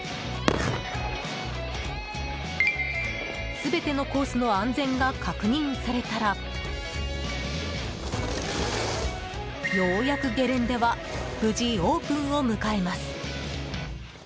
全てのコースの安全が確認されたらようやくゲレンデは無事オープンを迎えます。